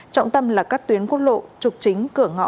trọng tâm là các tuyến quốc lộ trục chính cửa ngõ